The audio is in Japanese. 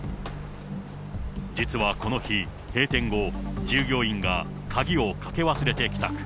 実はこの日、閉店後、従業員が鍵をかけ忘れて帰宅。